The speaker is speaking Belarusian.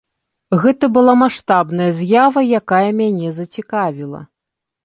Гэта была маштабная з'ява, якая мяне зацікавіла.